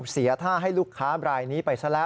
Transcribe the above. เสียท่าให้ลูกค้าบรายนี้ไปซะแล้ว